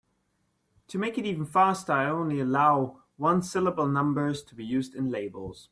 To make it even faster, I only allow one-syllable numbers to be used in labels.